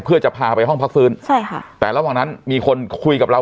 เพื่อจะพาไปห้องพักฟื้นใช่ค่ะแต่ระหว่างนั้นมีคนคุยกับเรา